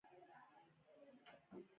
زه هره ورځ خپل میز پاکوم.